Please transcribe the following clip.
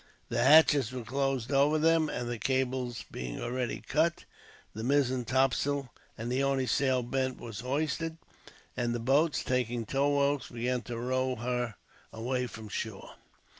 The hatches were closed over them, and the cables being already cut, the mizzen topsail, the only sail bent, was hoisted; and the boats, taking towropes, began to row her away from shore.